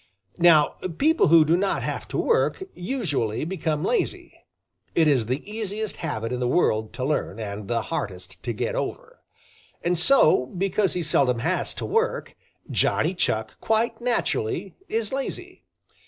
Now people who do not have to work usually become lazy. It is the easiest habit in the world to learn and the hardest to get over. And so, because he seldom has to work, Johnny Chuck quite naturally is lazy.